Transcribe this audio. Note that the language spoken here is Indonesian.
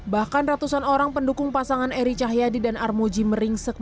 bahkan ratusan orang pendukung pasangan eri cahyadi dan wisnu sakti buwana